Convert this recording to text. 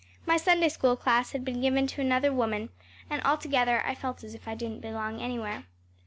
My Sunday School class had been given to another woman, and altogether I felt as if I didn’t belong anywhere.